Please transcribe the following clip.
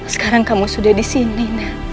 sekarang kamu sudah disini